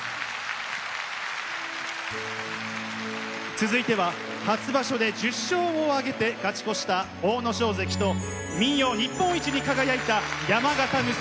続いては初場所で１０勝を挙げて勝ち越した阿武咲関と民謡日本一に輝いた山形娘